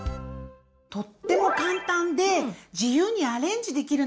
とっても簡単で自由にアレンジできるのがいいよね！